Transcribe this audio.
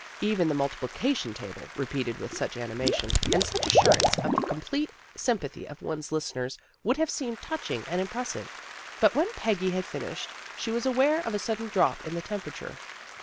Even the multiplication table, repeated with such animation, and such assurance of the complete sympathy of one's listeners, would have seemed touching and impressive. But when Peggy had finished, she was aware of a sudden drop in the temperature.